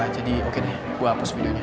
jadi oke deh gue hapus videonya